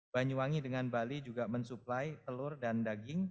banyuwangi dengan bali juga mensuplai telur dan daging